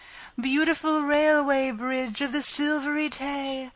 Beautiful Railway Bridge of the Silvery Tay!